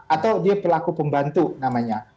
atau dia pelaku pembantu namanya